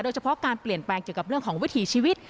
โดยเฉพาะการเปลี่ยนแปลงเกี่ยวกับเรื่องของวิถีชีวิต